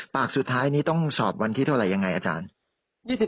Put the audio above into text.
ปากสุดท้ายนี้ต้องสอบวันที่เท่าไหร่ยังไงอาจารย์